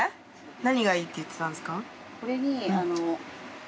何がいいって言ってたんですか？